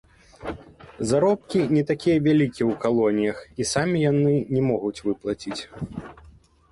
Заробкі не такія вялікія ў калоніях, і самі яны не могуць выплаціць.